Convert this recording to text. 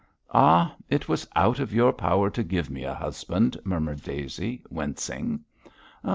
'Ah! it was out of your power to give me a husband,' murmured Daisy, wincing.